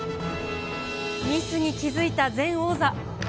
ミスに気付いた前王座。